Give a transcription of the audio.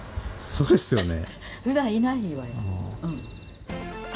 そうですよね。